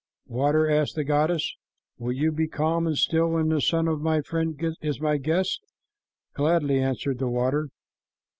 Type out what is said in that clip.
"Water," asked the goddess, "will you be calm and still when the son of my friend is my guest?" "Gladly," answered the water.